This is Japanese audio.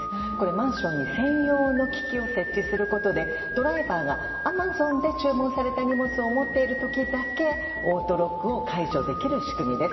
マンションに専用の機器を設置することでドライバーがアマゾンで注文された荷物を持っている時だけオートロックを解除できる仕組みです。